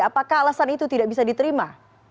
apakah alasan itu tidak bisa diterima